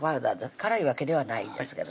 辛いわけではないんですけどね